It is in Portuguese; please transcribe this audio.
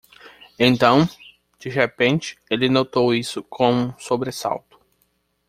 Então, de repente, ele notou isso com um sobressalto.